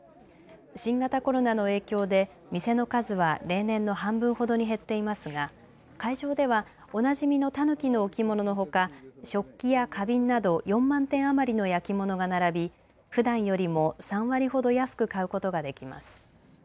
新型コロナの影響で店の数は例年の半分ほどに減っていますが、会場ではおなじみのたぬきの置物のほか食器や花瓶など４万点余りの焼き物が並び、ふだんよりも３割ほど安く買うことができます。